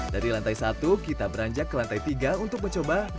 dari lantai satu kita beranjak ke lantai tiga untuk mencoba ruja kola medan